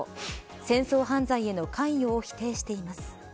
戦争犯罪への関与を否定しています。